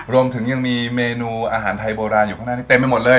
รวมถึงยังมีเมนูอาหารไทยโบราณอยู่ข้างหน้านี้เต็มไปหมดเลย